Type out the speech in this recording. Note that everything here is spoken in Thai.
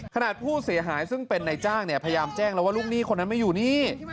ขนาดผู้เสียหายซึ่งเป็นนายจ้างเนี่ยพยายามแจ้งแล้วว่าลูกหนี้คนนั้นไม่อยู่นี่